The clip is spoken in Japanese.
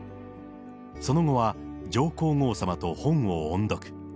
その後は上皇后さまと本を音読。